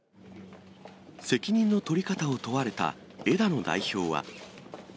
責任の取り方を問われた枝野代表は。